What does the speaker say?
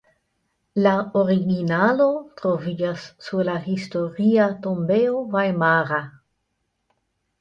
La originalo troviĝas sur la Historia tombejo vajmara.